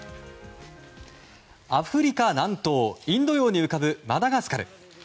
アフリカ南東インド洋に浮かぶマダガスカル。